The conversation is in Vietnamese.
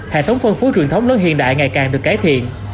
hệ thống phân phối truyền thống lớn hiện đại ngày càng được cải thiện